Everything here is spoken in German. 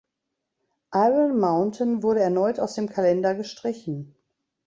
Iron Mountain wurde erneut aus dem Kalender gestrichen.